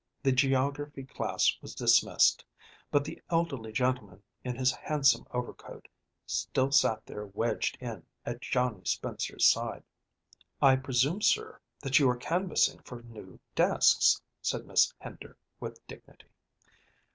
The geography class was dismissed, but the elderly gentleman, in his handsome overcoat, still sat there wedged in at Johnny Spencer's side. "I presume, sir, that you are canvassing for new desks," said Miss Hender, with dignity.